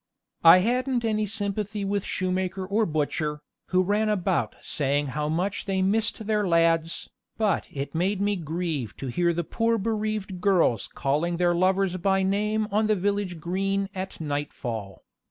I hadn't any sympathy with shoemaker or butcher, who ran about saying how much they missed their lads, but it made me grieve to hear the poor bereaved girls calling their lovers by name on the village green at nightfall.